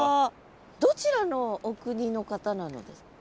どちらのお国の方なのですか？